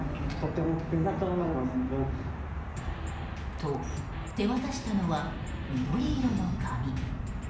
と、手渡したのは緑色の紙。